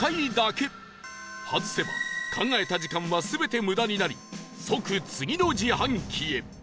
外せば考えた時間は全て無駄になり即次の自販機へ